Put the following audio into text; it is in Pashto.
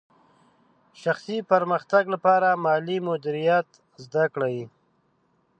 شخصي پرمختګ لپاره مالي مدیریت زده کړئ.